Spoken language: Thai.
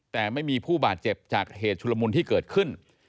แต่ไม่มีผู้บาดเจ็บจากเหตุชุลมุนที่เกิดขึ้น